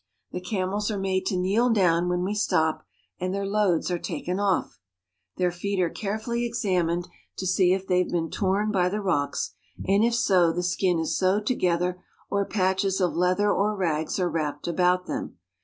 The camels are made to kneel down when we etop, and their loads are taken off. Their feet are care J A CARAVAN RIDE 6/ fully examined to see if they have been torn by the rocks, and if so, the skin is sewed together or patches of leather or rags are wrapped about them.